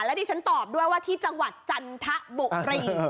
แล้วดิฉันตอบด้วยว่าที่จังหวัดจันทบุรี